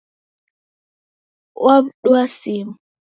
Waw'udua Simu.